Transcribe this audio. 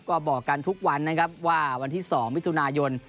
ก็บอกกันทุกวันนะครับว่าวันที่๒มิถุนายน